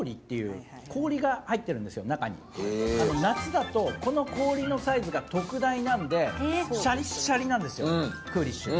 夏だとこの氷のサイズが特大なのでシャリシャリなんですよ、クーリッシュ。